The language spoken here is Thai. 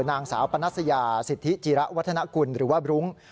นางสาวปนัสยาสิทธิจิระวัฒนกุลหรือว่าบรุ้ง